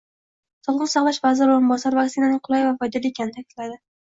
Sog‘liqni saqlash vaziri o‘rinbosari vaksinaning qulay va foydali ekanini ta’kidladi